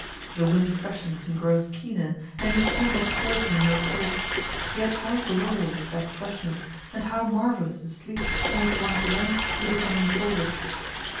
The wind freshens and grows keener, and you snuggle closer in your cloak; yet how glorious is that freshness, and how marvellous the sleep in which once again you become enfolded!